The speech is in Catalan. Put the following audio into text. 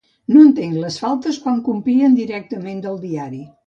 No entenc les faltes quan copien directament del diari